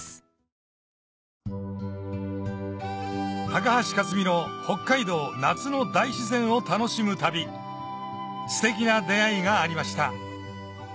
高橋克実の北海道夏の大自然を楽しむ旅ステキな出合いがありました